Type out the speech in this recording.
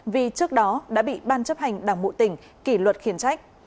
vì trước đó đã bị ban chấp hành đảng bộ tỉnh kỷ luật khiến trách